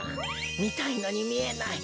みたいのにみえない。